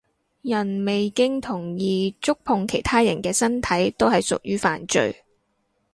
人未經同意觸碰其他人嘅身體都係屬於犯罪